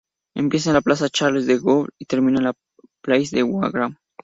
Empieza en la Place Charles-de-Gaulle y termina en la Place de Wagram.